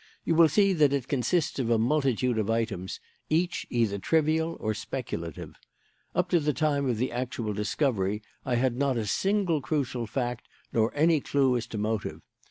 You will see that it consists of a multitude of items, each either trivial or speculative. Up to the time of the actual discovery I had not a single crucial fact, nor any clue as to motive.